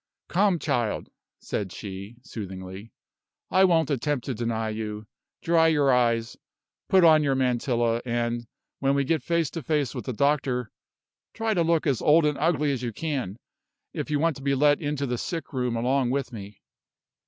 "Come, child," said she, soothingly; "I won't attempt to deny you. Dry your eyes, put on your mantilla; and, when we get face to face with the doctor, try to look as old and ugly as you can, if you want to be let into the sick room along with me."